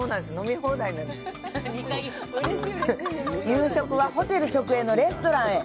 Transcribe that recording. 夕食はホテル直営のレストランへ。